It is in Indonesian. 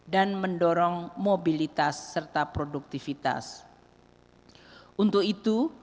dan kemampuan pemerintahan yang memiliki kekuasaan yang lebih baik